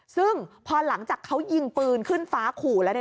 ซึ่งพอหลังจากเขายิงปืนขึ้นฟ้าขู่แล้ว